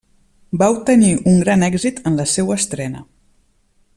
Va obtenir un gran èxit en la seua estrena.